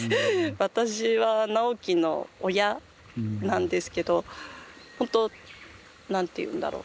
私は直樹の親なんですけどほんと何て言うんだろう。